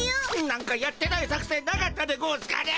なんかやってない作戦なかったでゴンスかね。